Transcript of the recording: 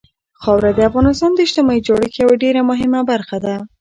خاوره د افغانستان د اجتماعي جوړښت یوه ډېره مهمه برخه ده.